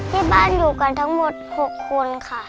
ที่บ้านอยู่กันทั้งหมด๖คนค่ะ